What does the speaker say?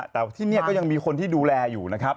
แต่ที่นี่ก็ยังมีคนที่ดูแลอยู่นะครับ